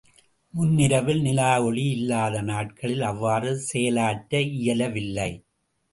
முன்னிரவில் நிலா ஒளி இல்லாத நாட்களில் அவ்வாறு செயலாற்ற இயலவில்லை.